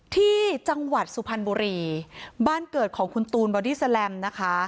ที่จังหวัดสุพรรณบุรีบ้านเกิดของคุณตูนบอดี้แลมนะคะ